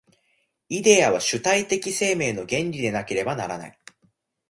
イデヤは主体的生命の原理でなければならない。